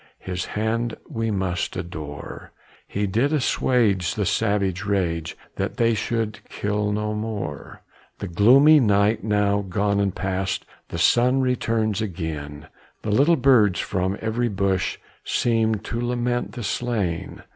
His hand we must adore. He did assuage the savage rage, That they should kill no more. The gloomy night now gone and past, The sun returns again, The little birds from every bush Seem to lament the slain.